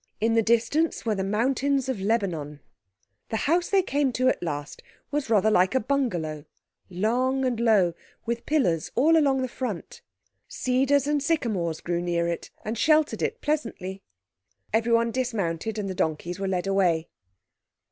In the distance were the mountains of Lebanon. The house they came to at last was rather like a bungalow—long and low, with pillars all along the front. Cedars and sycamores grew near it and sheltered it pleasantly. Everyone dismounted, and the donkeys were led away.